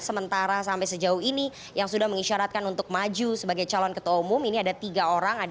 sementara sampai sejauh ini yang sudah mengisyaratkan untuk maju sebagai calon ketua umum ini ada tiga orang